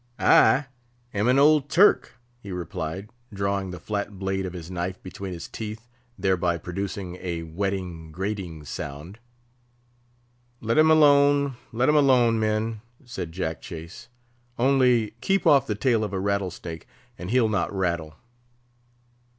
"I am an old Turk," he replied, drawing the flat blade of his knife between his teeth, thereby producing a whetting, grating sound. "Let him alone, let him alone, men," said Jack Chase. "Only keep off the tail of a rattlesnake, and he'll not rattle."